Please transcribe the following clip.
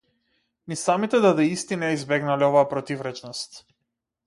Ни самите дадаисти не ја избегнале оваа противречност.